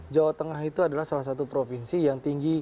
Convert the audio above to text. jawa tengah itu adalah salah satu provinsi yang tinggi